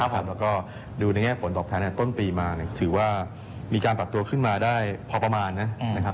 แล้วก็ดูในแง่ผลตอบแทนต้นปีมาถือว่ามีการปรับตัวขึ้นมาได้พอประมาณนะครับ